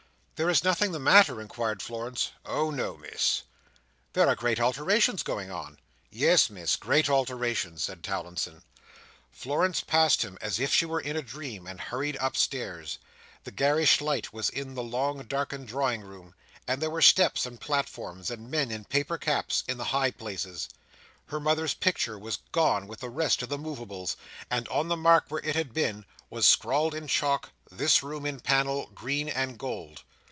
"There is nothing the matter?" inquired Florence. "Oh no, Miss." "There are great alterations going on." "Yes, Miss, great alterations," said Towlinson. Florence passed him as if she were in a dream, and hurried upstairs. The garish light was in the long darkened drawing room and there were steps and platforms, and men in paper caps, in the high places. Her mother's picture was gone with the rest of the moveables, and on the mark where it had been, was scrawled in chalk, "this room in panel. Green and gold."